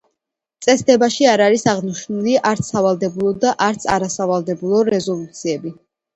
წესდებაში არ არის აღნიშნული, არც სავალდებულო და არც არასავალდებულო რეზოლუციები.